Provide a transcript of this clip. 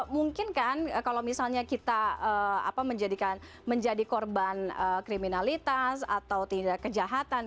mungkin kan kalau misalnya kita menjadi korban kriminalitas atau tidak kejahatan